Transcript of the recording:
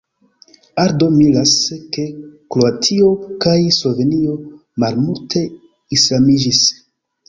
Aldo miras, ke Kroatio kaj Slovenio malmulte islamiĝis.